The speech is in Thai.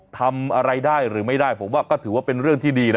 ทำอะไรได้หรือไม่ได้ผมว่าก็ถือว่าเป็นเรื่องที่ดีนะ